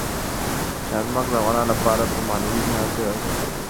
چار مغز د افغانانو لپاره په معنوي لحاظ ډېر ارزښت لري.